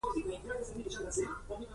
زما د مرګ خبر هم د عبدالهادي پلار ورکړى و.